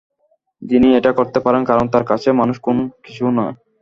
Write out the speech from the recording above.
যিনি এটা করতে পারেন, কারণ তাঁর কাছে মানুষ খুন কিছুই না।